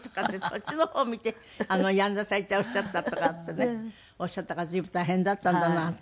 そっちの方を見てやんなさいっておっしゃったとかってねおっしゃったから随分大変だったんだなと思って。